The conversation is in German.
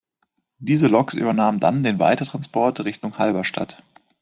Diese Loks übernahmen dann den Weitertransport in Richtung Halberstadt.